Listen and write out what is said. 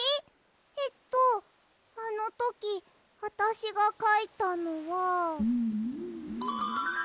えっとあのときあたしがかいたのは。